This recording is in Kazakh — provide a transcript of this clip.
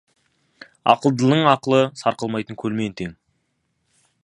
Ақылдының ақылы сарқылмайтын көлмен тең.